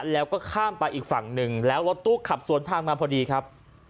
แล้วก็ข้ามไปอีกฝั่งหนึ่งแล้วรถตู้ขับสวนทางมาพอดีครับ